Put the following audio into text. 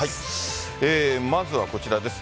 まずはこちらです。